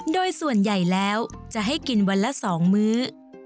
โดยส่วนใหญ่แล้วจะให้กินวันละ๒มื้อ